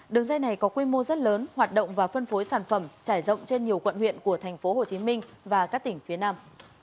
đường dây này có quy mô rất lớn hoạt động và phân phối sản phẩm trải rộng trên nhiều quận huyện của tp hcm và các tỉnh phía nam